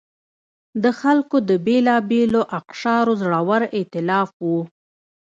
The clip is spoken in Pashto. د خلکو د بېلابېلو اقشارو زړور اېتلاف و.